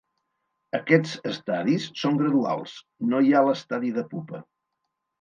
Aquests estadis són graduals; no hi ha l'estadi de pupa.